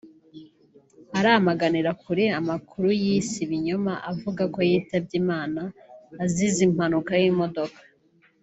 aramaganira kure amakuru yise ibinyoma avuga ko yitabye Imana azize impanuka y’imodoka